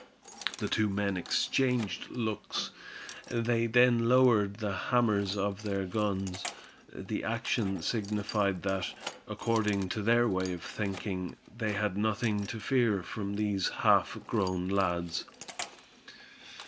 The two men exchanged looks. Then they lowered the hammers of their guns. The action signified that, according to their way of thinking, they had nothing to fear from these half grown lads.